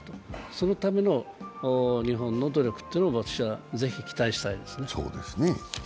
そのための日本の努力というのをぜひ期待したいですね。